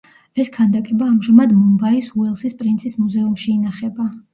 ეს ქანდაკება ამჟამად მუმბაის უელსის პრინცის მუზეუმში ინახება.